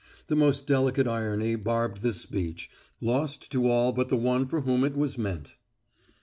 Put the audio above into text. The most delicate irony barbed this speech, lost to all but the one for whom it was meant.